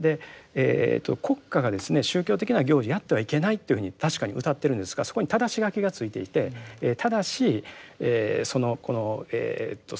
国家がですね宗教的な行事やってはいけないっていうふうに確かにうたっているんですがそこにただし書きが付いていてただしこの習俗とかですね